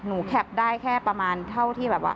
ผมแคร์พนัสได้แค่ประมาณเท่าที่